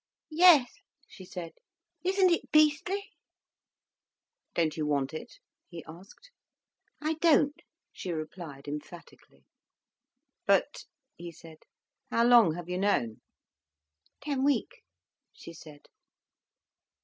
"Yes," she said. "Isn't it beastly?" "Don't you want it?" he asked. "I don't," she replied emphatically. "But—" he said, "how long have you known?" "Ten weeks," she said.